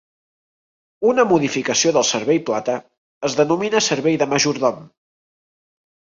Una modificació del servei plata es denomina servei de majordom.